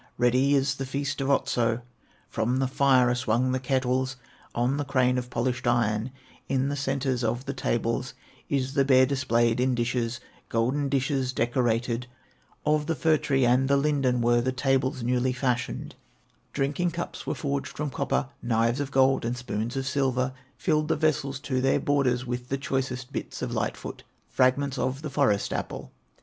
Ready is the feast of Otso; From the fire are swung the kettles On the crane of polished iron; In the centers of the tables Is the bear displayed in dishes, Golden dishes, decorated; Of the fir tree and the linden Were the tables newly fashioned; Drinking cups were forged from copper, Knives of gold and spoons of silver; Filled the vessels to their borders With the choicest bits of Light foot, Fragments of the Forest apple.